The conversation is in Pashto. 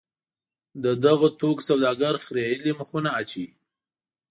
د دغو توکو سوداګر خریېلي مخونه اچوي.